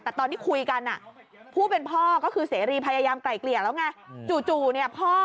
แต่ตอนที่คุยกันน่ะผู้เป็นพ่อก็คือเสรีคือพยายามไกล่เหกลียกด้วยแล้วไง